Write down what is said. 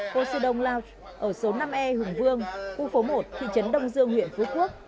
cô sư đông lao ở số năm e hùng vương khu phố một thị trấn đông dương huyện phú quốc